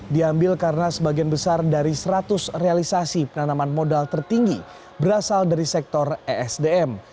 diambil karena sebagian besar dari seratus realisasi penanaman modal tertinggi berasal dari sektor esdm